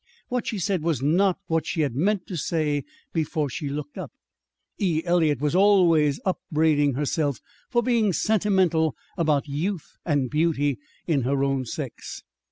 What she said was not what she had meant to say before she looked up. E. Eliot was always upbraiding herself for being sentimental about youth and beauty in her own sex.